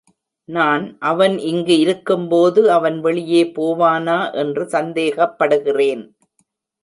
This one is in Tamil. நான் அவன் இங்கு இருக்கும் போது அவன் வெளியே போவானா என்று சந்தேகப்படுகிறேன்.